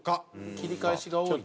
切り返しが多い。